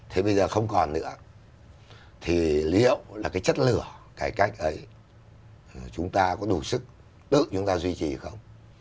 thế bây giờ không còn nữa thì liệu là cái chất lửa cải cách ấy chúng ta có đủ sức tự chúng ta duy trì không